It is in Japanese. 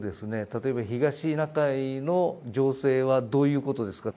例えば東シナ海の情勢はどういうことですか？